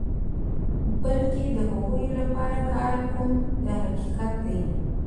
بلکې د هغو لپاره کار کوم دا حقیقت دی.